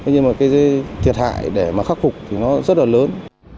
nhưng mà cái thiệt hại để mà khắc phục thì nó rất là lớn